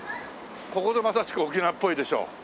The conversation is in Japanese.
ここぞまさしく沖縄っぽいでしょう。